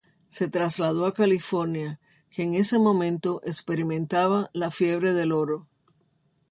Se trasladó a California, que en ese momento experimentaba la Fiebre del Oro.